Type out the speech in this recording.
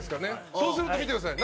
そうすると、見てください。